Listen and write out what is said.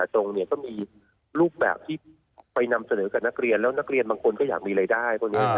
ทุกแบบที่ไปนำเสนอกับนักเรียนแล้วนักเรียนบางคนก็อยากมีรายได้